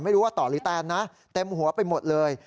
หรือว่าต่อหรือแตนนะเต็มหัวไปหมดเลย